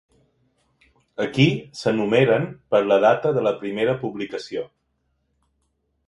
Aquí s'enumeren per la data de la primera publicació.